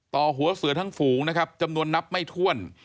ต่อหัวเสือทั้งฝูงนะครับจำนวนนับไม่ถ้วน